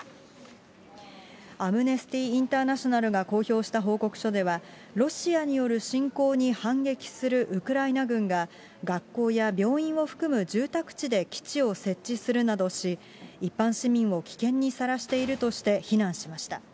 アムネスティ・インターナショナルが公表した報告書では、ロシアによる侵攻に反撃するウクライナ軍が、学校や病院を含む住宅地で基地を設置するなどし、一般市民を危険にさらしているとして非難しました。